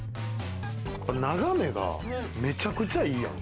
眺めがめちゃくちゃいいやん